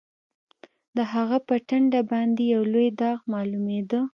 د هغه په ټنډه باندې یو لوی داغ معلومېده